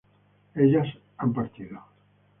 ellas han partido